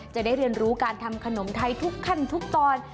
จะได้เรียนรู้การทำขนมไทยทุกขั้นทุกตอน